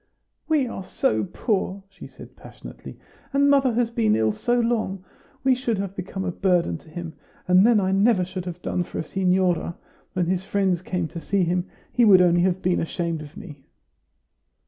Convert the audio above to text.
"We are so poor!" she said passionately; "and mother has been ill so long, we should have become a burden to him. And then I never should have done for a signora. When his friends came to see him, he would only have been ashamed of me."